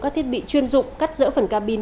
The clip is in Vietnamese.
các thiết bị chuyên dụng cắt rỡ phần ca bin